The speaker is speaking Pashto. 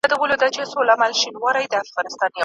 .هغه دي اوس له ارمانونو سره لوبي کوي